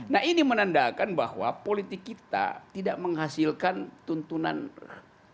nah ini menandakan bahwa politik kita tidak menghasilkan tuntunan